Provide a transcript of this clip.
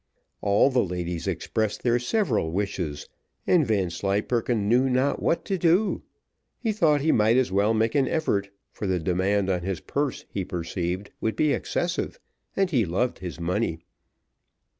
All the ladies expressed their several wishes, and Vanslyperken knew not what to do; he thought he might as well make an effort, for the demand on his purse he perceived would be excessive, and he loved his money.